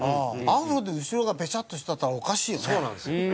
アフロで後ろがベチャッとしてたらおかしいよね。